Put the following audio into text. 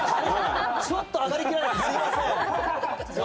ちょっと上がりきらないですね。